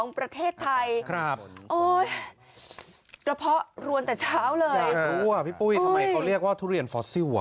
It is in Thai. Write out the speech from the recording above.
ประเทศไทยระเพาะรวนแต่เช้าเลยพี่ปุ้ยทำไมเขาเรียกว่าทุเรียนฟอสซิล